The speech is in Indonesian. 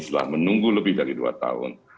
setelah menunggu lebih dari dua tahun